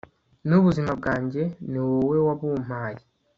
n'ubuzima bwanjye, ni wowe wabumpaye